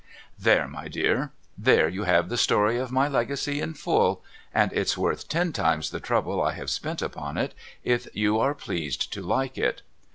There my dear I There you have the story of my Legacy in full, and it's worth ten times the trouble I have si)cnt upon it if you are pleased to like it.